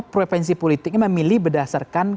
provinsi politiknya memilih berdasarkan